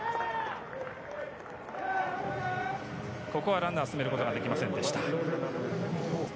ここはランナーを進めることができませんでした。